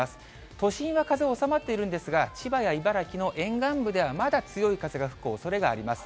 都心は風収まっているんですが、千葉や茨城の沿岸部ではまだ強い風が吹くおそれがあります。